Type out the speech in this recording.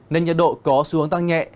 nên nhiệt độ có xu hướng tăng nhẹ